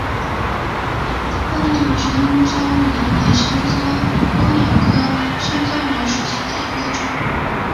波部山椒螺为山椒蜗牛科山椒螺属下的一个种。